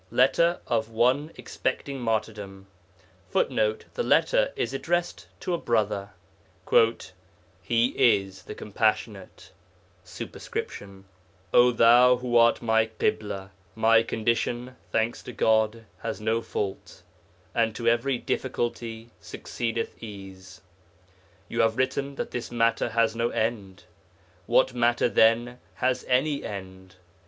LETTER OF ONE EXPECTING MARTYRDOM [Footnote: The letter is addressed to a brother.] 'He is the Compassionate [superscription]. O thou who art my Ḳibla! My condition, thanks to God, has no fault, and "to every difficulty succeedeth ease." You have written that this matter has no end. What matter, then, has any end?